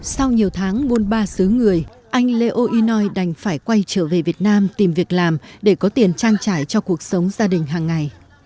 sau nhiều tháng buôn ba xứ người anh lê o inoi đành phải quay trở về việt nam tìm việc làm để có tiền trang trải cho cuộc sống gia đình hàng ngày